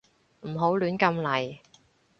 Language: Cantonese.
唔好亂咁嚟